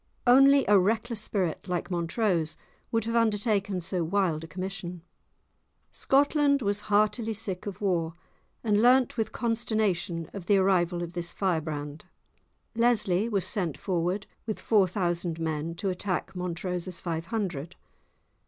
Only a reckless spirit like Montrose would have undertaken so wild a commission. Scotland was heartily sick of war, and learnt with consternation of the arrival of this firebrand. Lesly was sent forward with four thousand men to attack Montrose's five hundred!